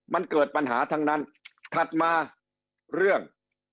มันเกิดปัญหาทั้งนั้นถัดมาเรื่อง